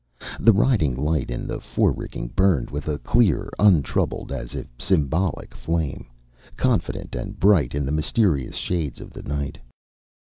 The riding light in the forerigging burned with a clear, untroubled, as if symbolic, flame, confident and bright in the mysterious shades of the night.